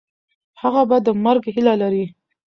هغه به د مرګ هیله لري.